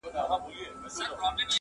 چاویل چي بم ښایسته دی ښه مرغه دی.!